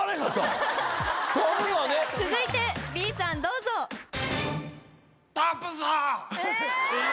続いてＢさんどうぞ。え